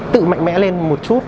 tự mạnh mẽ lên một chút